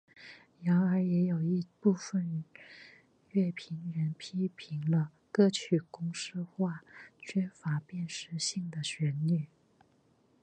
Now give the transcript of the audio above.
然而也有一部分乐评人批评了歌曲公式化缺乏辨识性的旋律。